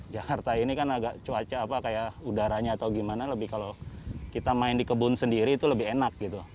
jakarta ini kan agak cuaca apa kayak udaranya atau gimana lebih kalau kita main di kebun sendiri itu lebih enak gitu